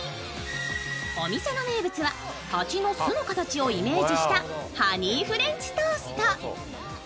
お店の名物は蜂の巣の形をイメージしたハニーフレンチトースト。